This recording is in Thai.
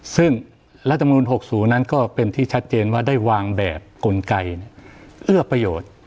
ซึ่งรัฐมนุน๖๐นั้นก็เป็นที่ชัดเจนว่าได้วางแบบกลไกเอื้อประโยชน์